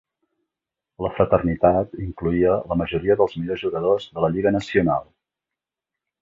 La Fraternitat incloïa la majoria dels millors jugadors de la Lliga Nacional.